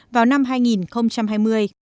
vào năm hai nghìn hai mươi